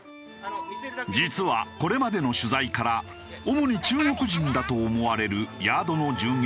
実はこれまでの取材から主に中国人だと思われるヤードの従業員。